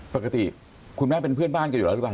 ปกติคุณแม่เป็นเพื่อนบ้านกันอยู่แล้วหรือเปล่า